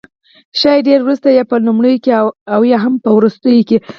ښايي ډیر وروسته، یا په لومړیو کې او یا هم په وروستیو کې